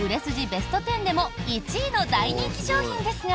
ベスト１０でも１位の大人気商品ですが